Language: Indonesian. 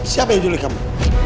siapa yang culik kamu